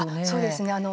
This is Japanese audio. そうですね。